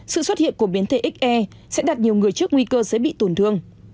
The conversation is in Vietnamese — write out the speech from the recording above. sự xuất hiện của biến thể xe sẽ đặt nhiều người trước nguy cơ dễ bị tổn thương